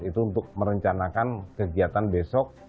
itu untuk merencanakan kegiatan besok